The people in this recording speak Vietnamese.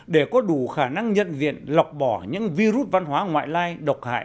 để có đủ khả năng nhận diện lọc bỏ những virus văn hóa ngoại lai độc hại